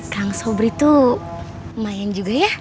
kang sobri tuh lumayan juga ya